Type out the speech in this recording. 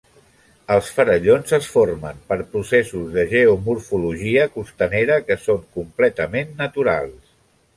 Els farallons es formen per processos de geomorfologia costanera que són completament naturals.